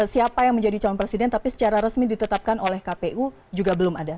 siapa yang menjadi calon presiden tapi secara resmi ditetapkan oleh kpu juga belum ada